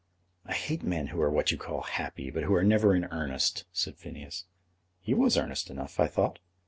"I hate men who are what you call happy, but who are never in earnest," said Phineas. "He was earnest enough, I thought."